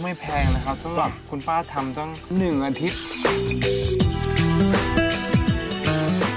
แพงนะครับสำหรับคุณป้าทำตั้งหนึ่งอาทิตย์